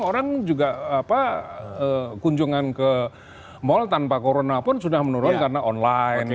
orang juga kunjungan ke mall tanpa corona pun sudah menurun karena online